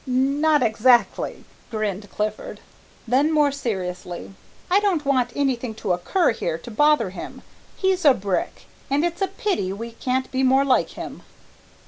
"Not exactly," grinned Clifford. Then more seriously, "I don't want anything to occur here to bother him. He's a brick, and it's a pity we can't be more like him."